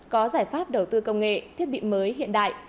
có giải pháp đầu tư công nghệ thiết bị mới hiện đại